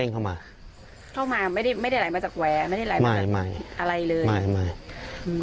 เข้ามาไม่ได้ไหลมาจากแห้ว